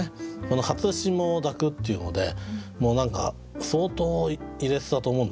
「初霜を抱く」っていうのでもう何か相当入れてたと思うんですよ。